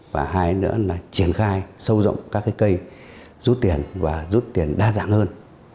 và hai nữa là triển khai sâu rộng các cái cây rút tiền và rút tiền đa dạng hơn